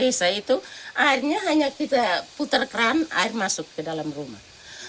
airnya hanya kita putarkan air masuk ke dalam rumah